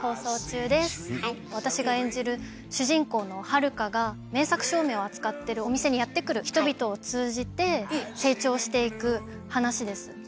私が演じる主人公のハルカが名作照明を扱ってるお店にやって来る人々を通じて成長していく話です。